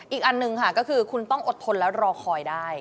อีกอันหนึ่งค่ะก็คือคุณต้องอดทนและรอคอยได้